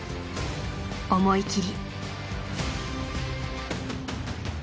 思い切り。